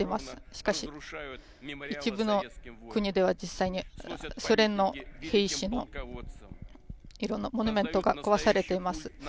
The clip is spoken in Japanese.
しかし、一部の国では実際にソ連の兵士のいろんなモニュメントが壊されています。